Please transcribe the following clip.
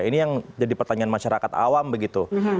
ini yang jadi pertanyaan masyarakat awam begitu